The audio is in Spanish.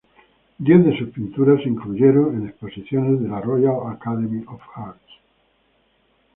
Diez de sus pinturas se incluyeron en exposiciones de la Royal Academy of Arts.